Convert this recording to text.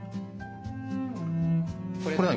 これ何？